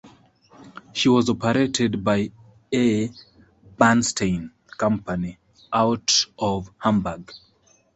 She was operated by A. Bernstein Company, out of Hamburg.